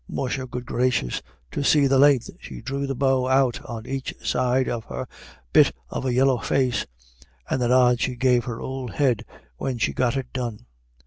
Musha good gracious, to see the len'th she drew the bow out on aich side of her bit of a yeller face, and the nod she gave her ould head when she'd got it done.